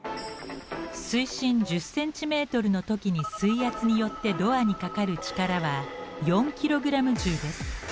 水深１０ｃｍの時に水圧によってドアにかかる力は４ｋｇ重です。